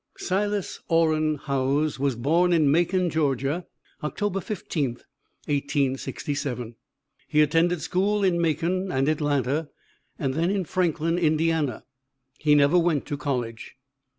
Silas Orrin Howes was born in Macon, Georgia, October 15, 1867. He attended school in Macon and Atlanta, and then in Franklin, Indiana. He never went to college.